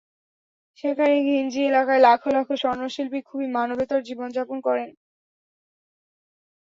সেখানে ঘিঞ্জি এলাকায় লাখ লাখ স্বর্ণশিল্পী খুবই মানবেতর জীবন যাপন করেন।